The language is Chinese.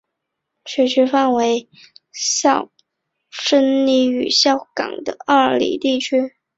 学区范围为孝深里与孝冈里二里地区。